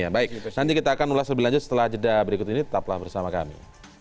baik nanti kita akan ulas lebih lanjut setelah jeda berikut ini tetaplah bersama kami